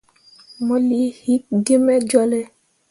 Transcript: Mo lii hikki gi me jolle.